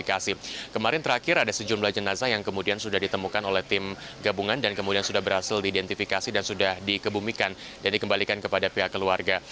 kemarin terakhir ada sejumlah jenazah yang kemudian sudah ditemukan oleh tim gabungan dan kemudian sudah berhasil diidentifikasi dan sudah dikebumikan dan dikembalikan kepada pihak keluarga